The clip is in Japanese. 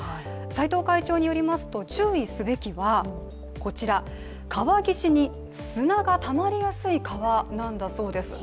斎藤会長によりますと注意すべきはこちら、川岸に砂がたまりやすい川なんだそうです。